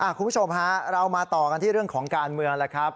คุณผู้ชมฮะเรามาต่อกันที่เรื่องของการเมืองแล้วครับ